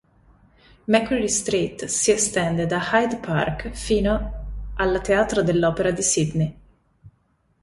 Macquarie Street si estende da Hyde Park fino alla teatro dell'opera di Sydney.